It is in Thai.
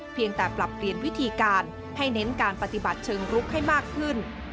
เพียงแต่ปรับเปลี่ยนวิธีการให้เน้นการปฏิบัติเชิงรุกให้มากขึ้น